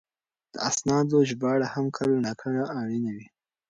د اسنادو ژباړه هم کله ناکله اړینه وي.